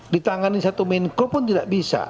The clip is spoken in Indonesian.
ditangani satu menko pun tidak bisa